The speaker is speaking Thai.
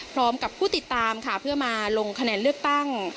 พร้อมกับผู้ติดตามค่ะเพื่อมาลงคะแนนเลือกตั้ง